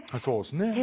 そうですね。